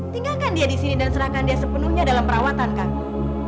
tinggalkan dia disini dan serahkan dia sepenuhnya dalam perawatan kamu